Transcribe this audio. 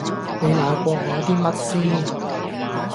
你鬧過我啲乜先